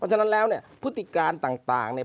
เพราะฉะนั้นแล้วเนี่ยพฤติการต่างต่างเนี่ย